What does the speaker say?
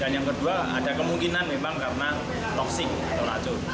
dan yang kedua ada kemungkinan memang karena toksik atau racun